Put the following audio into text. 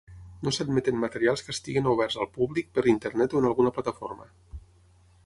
No s'admeten materials que estiguin oberts al públic per Internet o en alguna plataforma.